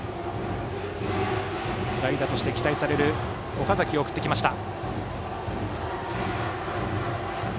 代打として期待される岡崎を送ってきました。